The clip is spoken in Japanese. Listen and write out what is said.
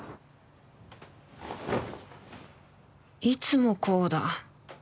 いつもこうだ